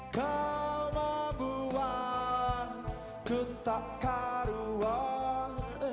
kau membuatku tak karuan